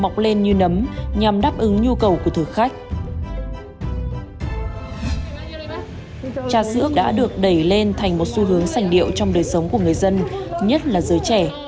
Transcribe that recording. trà sữa đã được đẩy lên thành một xu hướng sảnh điệu trong đời sống của người dân nhất là giới trẻ